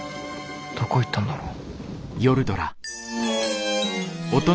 どこ行ったんだろう。